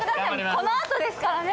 このあとですからね。